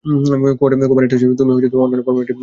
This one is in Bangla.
কুমার এটা শেষ, তুমি অন্যান্য ফর্মালিটি শুরু করতে পারো।